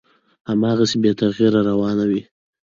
هماغسې بې تغییره روان وي،